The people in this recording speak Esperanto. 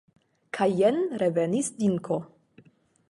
Kaj jen revenis Dinko.